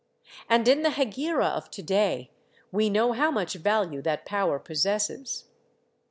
And in the Hegira of to day, we know how much value that power possesses.